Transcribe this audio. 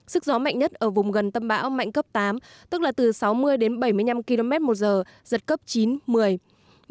sức gió mạnh nhất ở vùng gần tâm bão mạnh cấp tám tức là từ sáu mươi đến bảy mươi năm km một giờ giật cấp chín một mươi